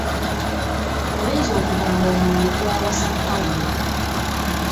Oyinza okugamba omwenge gwawasa Pawulo.